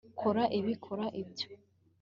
kora ibi kora ibyo